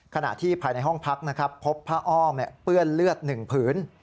ขณะที่ภายในห้องพักนะครับพบผ้าอ้อมเปื้อนเลือด๑ผืน